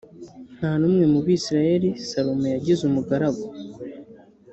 nta n umwe mu bisirayeli salomo yagize umugaragu